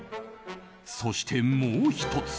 そして、もう１つ。